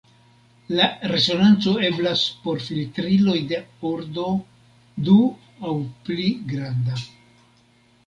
La resonanco eblas por filtriloj de ordo du aŭ pli granda.